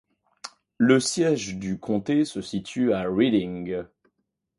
Le siège du comté se situe à Reading.